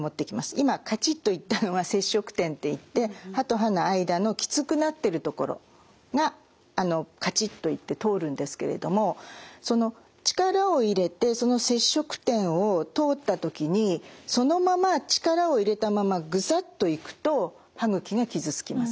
今カチッといったのは接触点っていって歯と歯の間のきつくなってる所がカチッといって通るんですけれども力を入れてその接触点を通った時にそのまま力を入れたままグサッといくと歯ぐきが傷つきます。